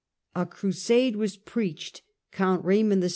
A crusade was preached, Count Raymond VI.